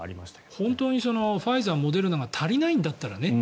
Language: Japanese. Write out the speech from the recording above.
本当にファイザー、モデルナが足りないんだったらね。